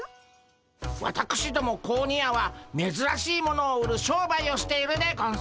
わたくしども子鬼屋はめずらしいものを売る商売をしているでゴンス。